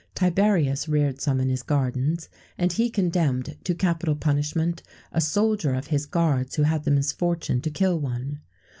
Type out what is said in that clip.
Tiberius reared some in his gardens; and he condemned to capital punishment a soldier of his guards who had the misfortune to kill one.